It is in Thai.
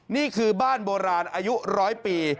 นี่คือบ้านโบราณอายุร้อยปี